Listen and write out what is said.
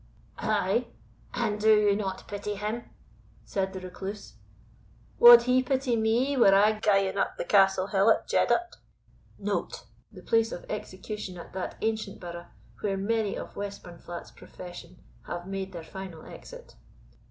"Ay; and do you not pity him?" said the Recluse. "Wad he pity me were I gaeing up the Castle hill at Jeddart? [ The place of execution at that ancient burgh, where many of Westburnflat's profession have made their final exit.